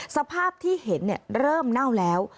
สภาพที่เห็นเริ่มเน่าแล้ว